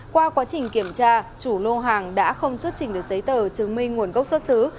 qua quá trình kiểm tra chủ lô hàng đã không xuất trình được giấy tờ chứng minh nguồn gốc xuất xứ